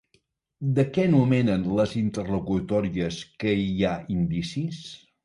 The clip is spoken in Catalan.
De què nomenen les interlocutòries que hi ha indicis?